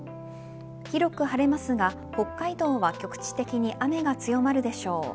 広く晴れますが北海道は局地的に雨が強まるでしょう。